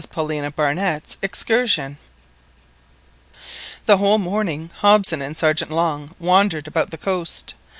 PAULINA BARNETT'S EXCURSION. The whole morning Hobson and Sergeant Long wandered about the coast.